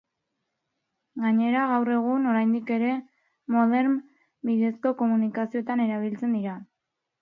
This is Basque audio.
Gainera, gaur egun, oraindik ere, modem bidezko komunikazioetan erabiltzen dira.